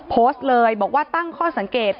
โพสต์เลยบอกว่าตั้งข้อสังเกต